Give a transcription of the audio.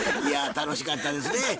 いや楽しかったですね。